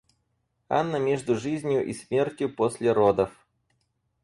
Анна между жизнью и смертью после родов.